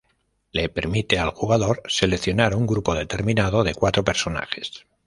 Le permite al jugador seleccionar un grupo determinado de cuatro personajes.